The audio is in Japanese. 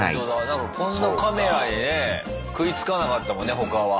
なんかこんなカメラにね食いつかなかったもんね他は。